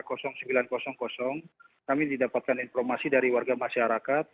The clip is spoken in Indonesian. kami didapatkan informasi dari warga masyarakat